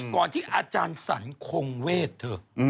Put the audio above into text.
ก่อนที่อาจารย์สรรคงเวทเธอ